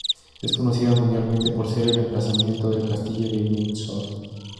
Es conocida mundialmente por ser el emplazamiento del castillo de Windsor.